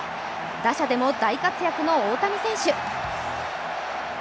打者でも大活躍の大谷選手。